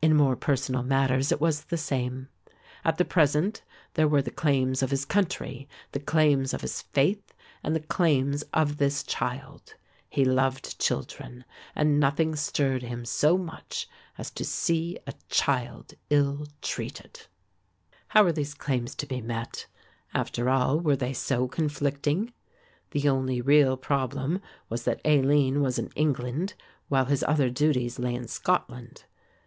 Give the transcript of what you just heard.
In more personal matters it was the same. At the present there were the claims of his country, the claims of his faith and the claims of this child. He loved children and nothing stirred him so much as to see a child illtreated. How were these claims to be met? After all, were they so conflicting? The only real problem was that Aline was in England, while his other duties lay in Scotland.